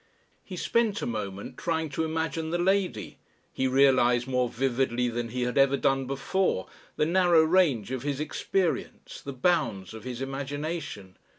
He spent a moment trying to imagine the "lady"; he realised more vividly than he had ever done before the narrow range of his experience, the bounds of his imagination.